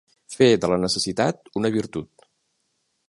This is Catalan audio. Fer de la necessitat una virtut.